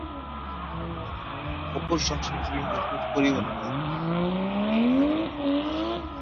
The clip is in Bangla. অপুর সংসার হল অপুর পরিবারের গল্প।